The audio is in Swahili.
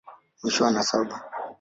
Mwisho wa nasaba.